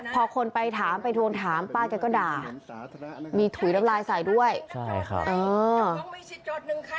พอคนไปถามไปทวงถามป้าแกก็ด่ามีถุยน้ำลายใส่ด้วยใช่ครับเออ